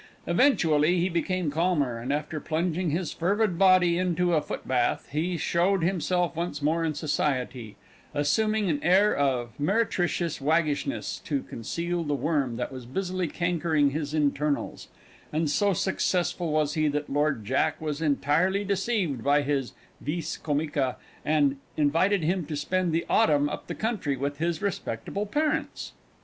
Eventually he became calmer, and after plunging his fervid body into a foot bath, he showed himself once more in society, assuming an air of meretricious waggishness to conceal the worm that was busily cankering his internals, and so successful was he that Lord Jack was entirely deceived by his vis comica, and invited him to spend the Autumn up the country with his respectable parents.